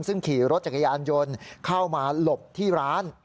ซึ่งขี่รถจักรยานยนต์เข้ามาหลบที่ร้าน